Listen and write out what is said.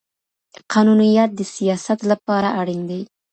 قانونيت د سياست لپاره اړين دی.